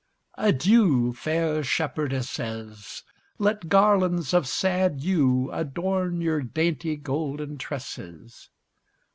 Adieu! Fair shepherdesses! Let garlands of sad yew Adorn your dainty golden tresses.